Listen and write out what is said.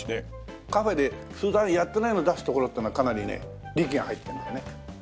カフェで普段やってないのを出すところっていうのはかなりね力が入ってるんだよね。